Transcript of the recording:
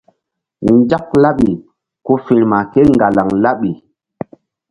Nzak laɓi ku firma kéŋgalaŋ laɓi.